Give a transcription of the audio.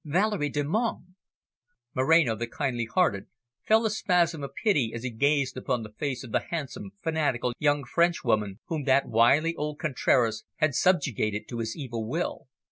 "Valerie Delmonte!" Moreno, the kindly hearted, felt a spasm of pity as he gazed on the face of the handsome, fanatical young Frenchwoman, whom that wily old Contraras had subjugated to his evil will.